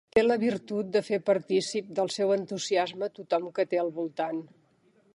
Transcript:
Té la virtut de fer partícip del seu entusiasme tothom que té al voltant.